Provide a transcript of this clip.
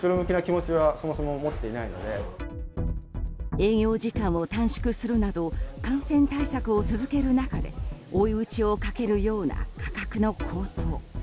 営業時間を短縮するなど感染対策を続ける中で追い打ちをかけるような価格の高騰。